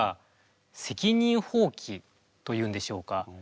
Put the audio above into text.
責任放棄というんでしょうか。